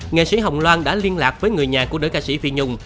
nữ ca sĩ hồng loan đã liên lạc với người nhà của nữ ca sĩ phi nhung